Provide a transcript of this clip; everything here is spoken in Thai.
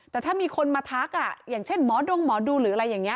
แต่ถ้ามีคนมาทักอย่างเช่นหมอดงหมอดูหรืออะไรอย่างนี้